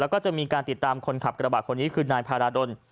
แล้วก็จะมีการติดตามคนขับกระบาดคนนี้คือนายพาราดล